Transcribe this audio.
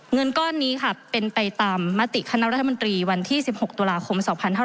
เงินก้อนนี้ค่ะเป็นไปตามมติคณะรัฐมนตรีวันที่๑๖ตุลาคม๒๕๕๙